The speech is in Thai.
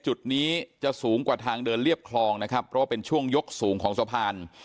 จุดนี้จะสูงกว่าทางเดินเรียบคลองนะครับเพราะว่าเป็นช่วงยกสูงของสะพาน